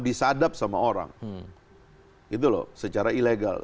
disadap sama orang gitu loh secara ilegal